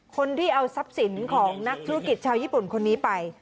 คนที่เอาทรัพย์สินของนักธุรกิจชาวญี่ปุ่นคนนี้ไป